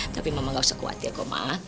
tapi mama gak usah khawatir kok ma